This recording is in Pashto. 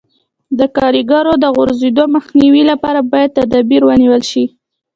د کاریګرو د غورځېدو مخنیوي لپاره باید تدابیر ونیول شي.